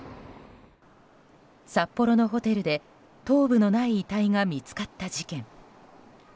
札幌のホテルで頭部のない遺体が見つかった事件。